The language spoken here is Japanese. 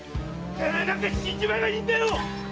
・てめえなんて死んじまえばいいんだよ！